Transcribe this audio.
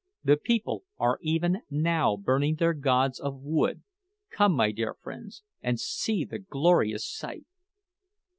The people are even now burning their gods of wood! Come, my dear friends, and see the glorious sight!"